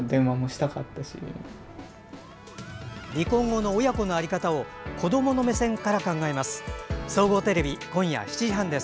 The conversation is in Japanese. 離婚後の親子の在り方を子どもの目線から考えます。